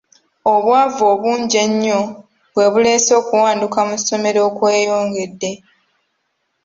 Obwavu obungi ennyo bwe buleese okuwanduka mu ssomero okweyongedde.